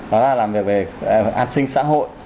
đó là làm việc về an sinh xã hội